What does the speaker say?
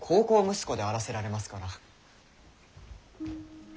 息子であらせられますから。